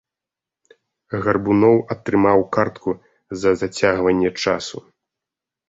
Гарбуноў атрымаў картку за зацягванне часу.